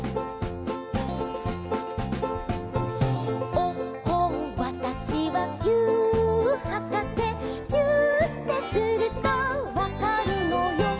「おっほんわたしはぎゅーっはかせ」「ぎゅーってするとわかるのよ」